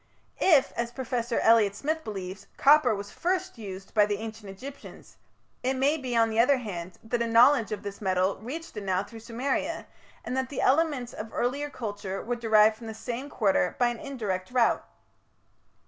If, as Professor Elliot Smith believes, copper was first used by the Ancient Egyptians, it may be, on the other hand, that a knowledge of this metal reached Anau through Sumeria, and that the elements of the earlier culture were derived from the same quarter by an indirect route.